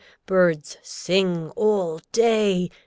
Birds sing All day.